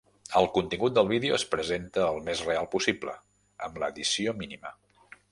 El contingut del vídeo es presenta el més real possible, amb l'edició mínima.